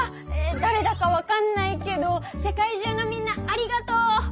だれだか分かんないけど世界中のみんなありがとう！